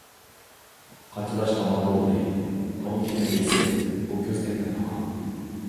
قاچىلاش تامام بولدى: كۇنۇپكىنى بېسىپ، بۇ كۆزنەكنى تاقاڭ.